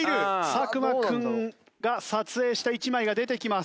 作間君が撮影した一枚が出てきます。